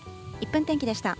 １分天気でした。